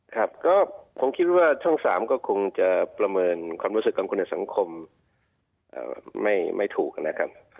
ครับก็ผมคิดว่าช่อง๓ก็คงจะประเมินความรู้สึกของคนในสังคมไม่ถูกนะครับ